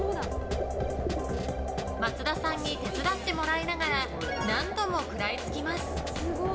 松田さんに手伝ってもらいながら何度も食らいつきます。